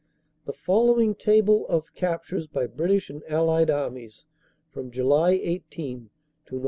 The fol lowing table of captures by British and Allied Armies from July 18 Nov.